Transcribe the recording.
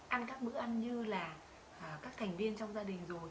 ăn các bữa ăn như là các thành viên trong gia đình rồi